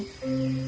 kau tahu sekarang